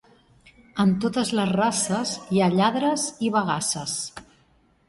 En totes les races, hi ha lladres i bagasses.